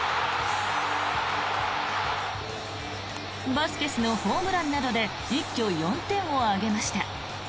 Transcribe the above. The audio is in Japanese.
バスケスのホームランなどで一挙４点を上げました。